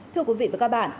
thưa quý vị và các bạn